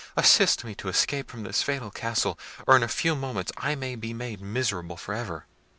Assist me to escape from this fatal castle, or in a few moments I may be made miserable for ever."